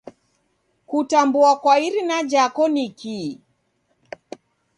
Kutambua kwa irina jako nikii?